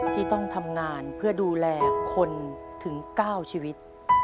ที่ต้องทำงานเพื่อดูแลคนถึง๙ชีวิต